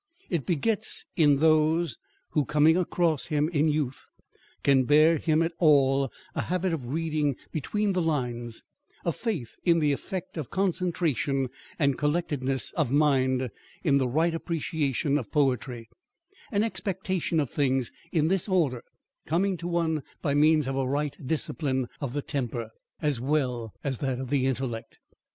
It begets in those, who, coming across him in youth, can bear him at all, a habit of reading between the lines, a faith in the effect of concentration and collectedness of mind in the right appreciation of poetry, an expectation of things, in this order, coming to one by means of a right discipline of the temper as well as of the intellect.